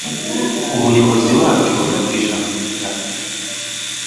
Umuyobozi wacu acisha make cyane